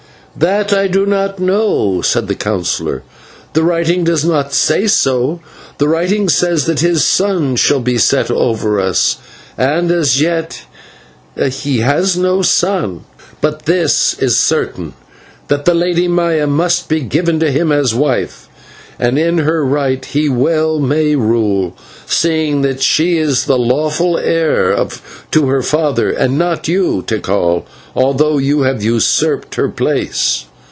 "That I do not know," said the Councillor, "the writing does not say so; the writing says that his son shall be set over us, and as yet he has no son. But this is certain, that the Lady Maya must be given to him as wife, and in her right he well may rule, seeing that she is the lawful heir to her father, and not you, Tikal, although you have usurped her place."